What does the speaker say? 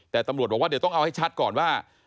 แต่ตำรวจบอกว่าเดี๋ยวต้องเอาให้ชัดก่อนว่า